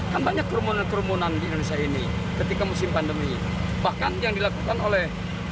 kan banyak kerumunan kerumunan di indonesia ini ketika musim pandemi bahkan yang dilakukan oleh